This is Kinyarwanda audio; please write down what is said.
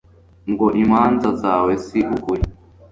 ngo imanza zawe si ukuri